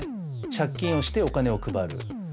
借金をしてお金を配る。